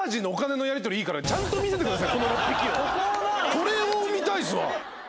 これを見たいっすわ。